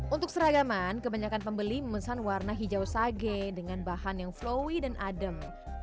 untuk seragaman kebanyakan pembeli memesan warna hijau sage dengan bahan yang floween dan adem